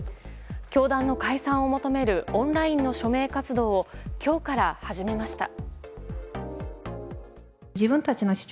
教団の解散を求めるオンラインの署名活動を今日から始めました。